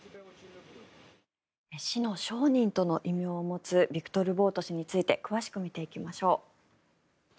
死の商人との異名を持つビクトル・ボウト氏について詳しく見ていきましょう。